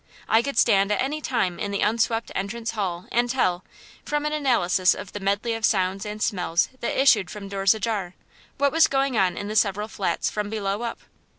I could stand at any time in the unswept entrance hall and tell, from an analysis of the medley of sounds and smells that issued from doors ajar, what was going on in the several flats from below up.